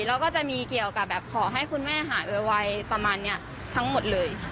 แล้วก็จะมีเกี่ยวกับแบบขอให้คุณแม่หายไวประมาณนี้ทั้งหมดเลย